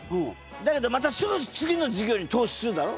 だけどまたすぐ次の事業に投資するだろ。